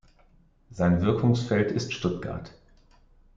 Sein Wirkungsfeld ist Stuttgart.